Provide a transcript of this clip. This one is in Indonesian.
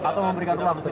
atau memberikan ruang